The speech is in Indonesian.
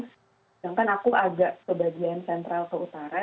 sedangkan aku agak sebagian sentral ke utara